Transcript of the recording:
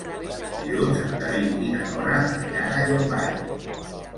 Dilluns en David i na Nora aniran a Llombai.